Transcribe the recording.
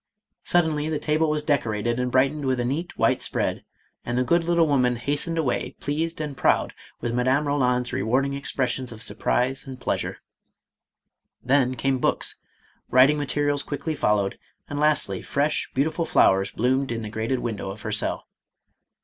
Suddenly the table was decorated and brightened with a neat, white spread, and the good little woman hastened away pleased and proud with Madame Roland's rewarding expressions of surprise and pleasure. Then came books ; writing materials quickly followed, and lastly fresh, beautiful flowers bloomed in the grated window of her cell.